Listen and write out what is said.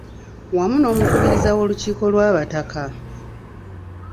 Wamu n’omukubiriza w’olukiiko lw’abataka.